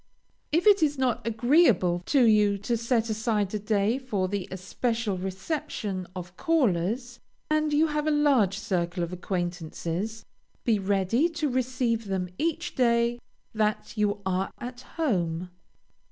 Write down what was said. If it is not agreeable to you to set aside a day for the especial reception of callers, and you have a large circle of acquaintances, be ready to receive them each day that you are at home.